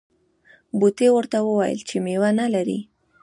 بوټي ورته وویل چې میوه نه لرې.